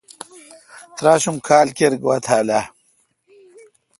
تراچ ام کھال کیر گواتھال اہ۔